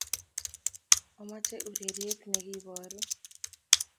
Achame ureriet be kiporu